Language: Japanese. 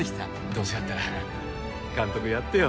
どうせやったら監督やってよ